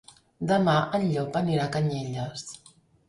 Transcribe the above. Demà en Llop anirà a Canyelles.